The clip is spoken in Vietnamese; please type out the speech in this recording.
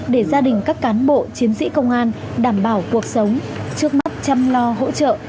để gia đình các cán bộ chiến sĩ công an đảm bảo cuộc sống trước mắt chăm lo hỗ trợ